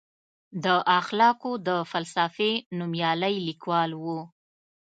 د اخلاقو د فلسفې نوميالی لیکوال و.